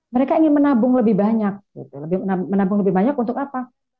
mereka ingin menabung lebih banyak lebih menabung lebih banyak untuk apa